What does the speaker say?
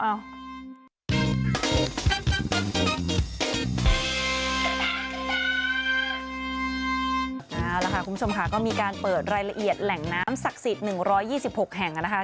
เอาล่ะค่ะคุณผู้ชมค่ะก็มีการเปิดรายละเอียดแหล่งน้ำศักดิ์สิทธิ์๑๒๖แห่งนะคะ